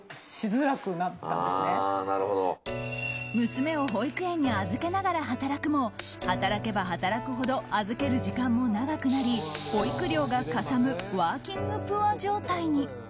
娘を保育園に預けながら働くも働けば働くほど預ける時間も長くなり保育料がかさむワーキングプア状態に。